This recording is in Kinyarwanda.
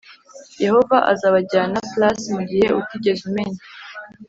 yehova azabajyana+ mu gihugu utigeze umenya,